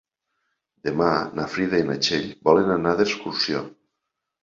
Demà na Frida i na Txell volen anar d'excursió.